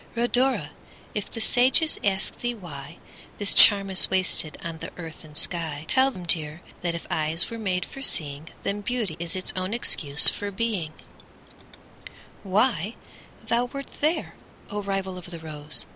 Rhodora! if the sages ask thee whyThis charm is wasted on the earth and sky, Tell them, dear, that if eyes were made for seeing, Then Beauty is its own excuse for being:Why thou wert there, O rival of the rose!